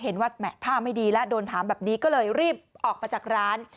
เห็นว่าแห่ท่าไม่ดีแล้วโดนถามแบบนี้ก็เลยรีบออกมาจากร้าน